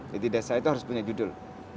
jadi desa itu harus punya judul